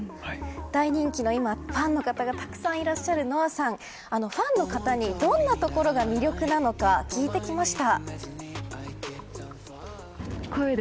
大人気の今、ファンの方がたくさんいらっしゃるＮＯＡさんファンの方に、どんなところが魅力なのか聞いてきました。